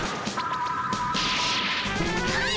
はい！